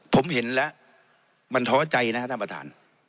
ผมเห็นแล้วมันท้อใจนะครับท่านประธาน